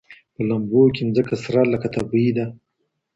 په لمبو کي مځکه سره لکه تبۍ ده